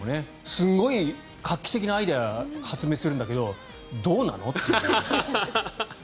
すごい画期的なアイデアを発明するんだけどどうなの？っていう。